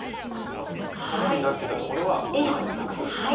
玉になってたところは中に隠すんですね。